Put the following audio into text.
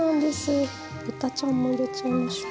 豚ちゃんも入れちゃいましょう。